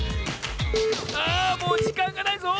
あもうじかんがないぞ！